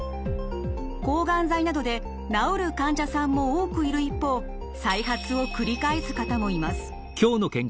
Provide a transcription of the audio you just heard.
抗がん剤などで治る患者さんも多くいる一方再発を繰り返す方もいます。